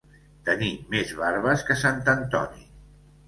Tenir més barbes que sant Antoni.